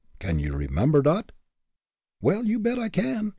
Can you remember dot?" "Well, you bet I can!